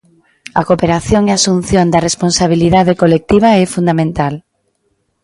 A cooperación e a asunción da responsabilidade colectiva é fundamental.